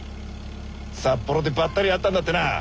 札幌でばったり会ったんだってな。